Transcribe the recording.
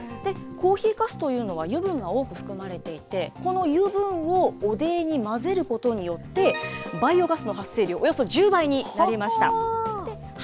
コーヒーかすというのは油分が多く含まれていて、この油分を汚泥に混ぜることによって、バイオガスの発生量およそ１０倍になりました。